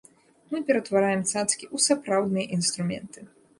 Мы ператвараем цацкі ў сапраўдныя інструменты!